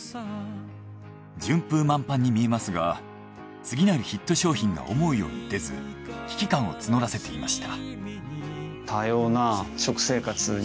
順風満帆に見えますが次なるヒット商品が思うように出ず危機感を募らせていました。